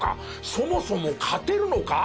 そもそも勝てるのか？